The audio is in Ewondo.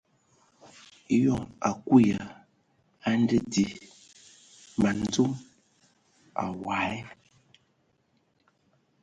Eyɔŋ a kui ya a nda a dii man dzom awɔi.